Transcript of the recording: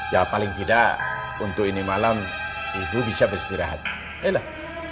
ya paling tidak untuk ini malam ibu bisa bersistirahat ayo lah